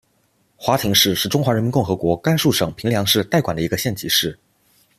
华亭市是中华人民共和国甘肃省平凉市代管的一个县级市。